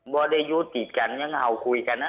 ไม่พูดเลยเหรอคะ